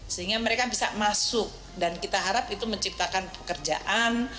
sehingga mereka bisa masuk dan kita harap itu menciptakan pekerjaan